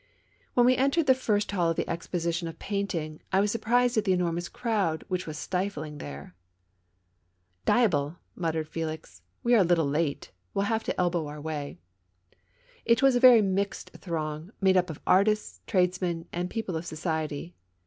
When we entered the first hall of the Exposition of Painting, I was surprised at the enormous crowd which was stifling there. •" Liable !" muttered Felix, " we are a little late. We'll have to elbow our way.'' It was a very mixed throng, made up of artists, trades people and people of society.